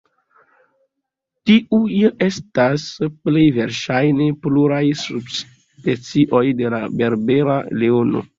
Tiuj estas plej verŝajne puraj subspecioj de la berbera leono.